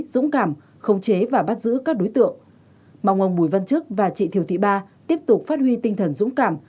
dũng cảm khống chế và bắt giữ các đối tượng mong ông bùi văn chức và chị thiều thị ba tiếp tục phát huy tinh thần dũng cảm